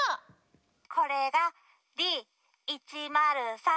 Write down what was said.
これがＤ１０３。